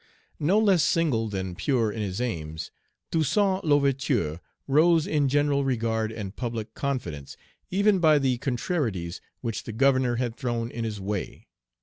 No less single than pure in his aims, Toussaint L'Ouverture rose in general regard and public confidence, even by the contrarieties which the Governor had thrown in his way.